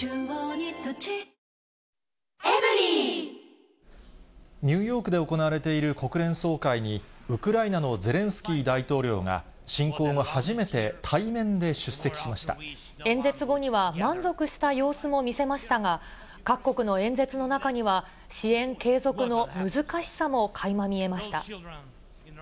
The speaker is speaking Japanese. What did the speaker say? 俺がこの役だったのにニューヨークで行われている国連総会に、ウクライナのゼレンスキー大統領が、演説後には、満足した様子も見せましたが、各国の演説の中には、支援継続の難しさもかいま見えました。